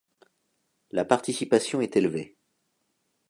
La participation est élevée.